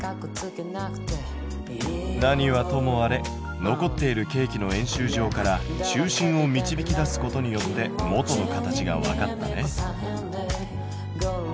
何はともあれ残っているケーキの円周上から中心を導き出すことによって元の形がわかったね。